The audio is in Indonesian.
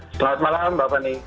selamat malam bapak ni